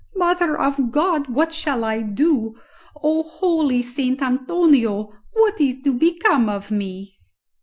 Mother of God, what shall I do! O holy St. Antonio, what is to become of me?"